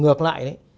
ngược lại đấy